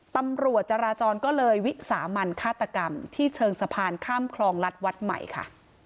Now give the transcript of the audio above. ตำรวจจราจรก็เลยวิสามันฆาตกรรมที่เชิงสะพานข้ามคลองรัฐวัดใหม่ค่ะ